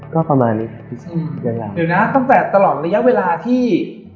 ก็ประมาณนี้ยังไงเดี๋ยวนะตั้งแต่ตลอดระยะเวลาที่